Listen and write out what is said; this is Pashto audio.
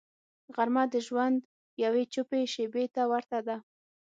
غرمه د ژوند یوې چوپې شیبې ته ورته ده